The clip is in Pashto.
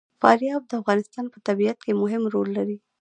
فاریاب د افغانستان په طبیعت کې مهم رول لري.